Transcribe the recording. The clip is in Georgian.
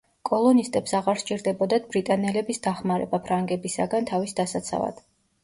კოლონისტებს აღარ სჭირდებოდათ ბრიტანელების დახმარება ფრანგებისაგან თავის დასაცავად.